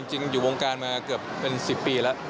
จริงอยู่วงการมาเกือบเป็น๑๐ปีแล้ว